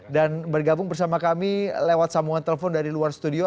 dan bergabung bersama kami lewat sambungan telepon dari luar studio